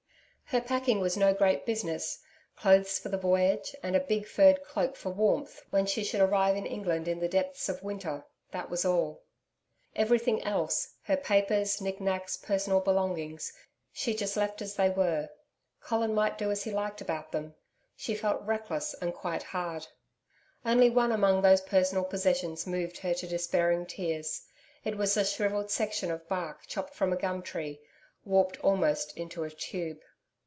Her packing was no great business clothes for the voyage, and a big furred cloak for warmth, when she should arrive in England in the depth of winter that was all. Everything else her papers, knicknacks, personal belongings she left just as they were. Colin might do as he liked about them. She felt reckless and quite hard. Only one among those personal possessions moved her to despairing tears. It was a shrivelled section of bark chopped from a gum tree, warped almost into a tube.